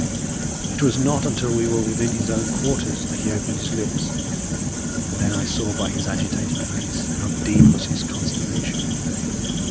It was not until we were within his own quarters that he opened his lips, and then I saw by his agitated face how deep was his consternation.